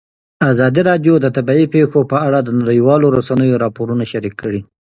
ازادي راډیو د طبیعي پېښې په اړه د نړیوالو رسنیو راپورونه شریک کړي.